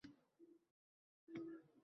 Pastlab uchib kelib, yelkamga zarrin